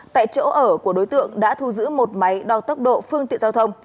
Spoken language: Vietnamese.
tại chỗ ở của đối tượng đã thu giữ một máy đo tốc độ phương tiện giao thông